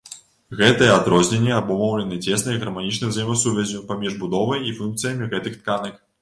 Гэтыя адрозненні абумоўлены цеснай гарманічнай узаемасувяззю паміж будовай і функцыямі гэтых тканак.